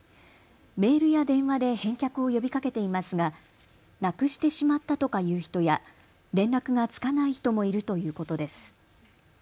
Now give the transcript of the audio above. メールや電話で返却を呼びかけていますがなくしてしまったとかいう人や連絡がつかない人もいるということです。